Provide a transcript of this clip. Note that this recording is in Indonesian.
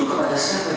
tangkapan dari pak spg